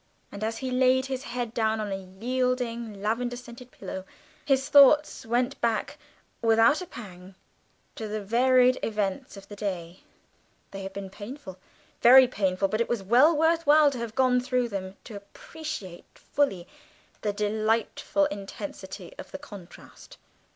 And as he laid his head down on a yielding lavender scented pillow, his thoughts went back without a pang to the varied events of the day; they had been painful, very painful, but it was well worth while to have gone through them to appreciate fully the delightful intensity of the contrast.